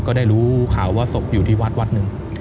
ก็ได้รู้ข่าวว่าศพอยู่ที่วัดวัดหนึ่ง